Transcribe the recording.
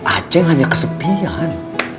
a'at hanya kesepian